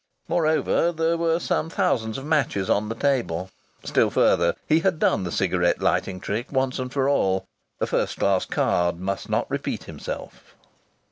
Moreover, there were some thousands of matches on the table. Still further, he had done the cigarette lighting trick once for all. A first class card must not repeat himself.